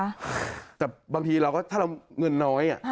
แต่บางทีเราก็ถ้าเราเงินน้อย